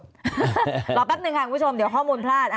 แป๊บหนึ่งค่ะคุณผู้ชมเดี๋ยวข้อมูลพลาด